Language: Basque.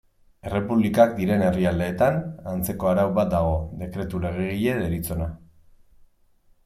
Errepublikak diren herrialdeetan, antzeko arau bat dago, Dekretu Legegile deritzona.